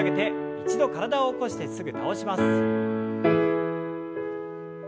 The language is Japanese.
一度体を起こしてすぐ倒します。